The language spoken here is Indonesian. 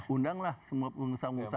undanglah semua bumn